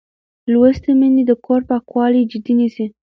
لوستې میندې د کور پاکوالی جدي نیسي.